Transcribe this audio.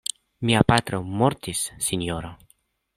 Mia patro mortis, sinjoro.